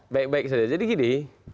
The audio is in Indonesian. baik baik saja jadi gini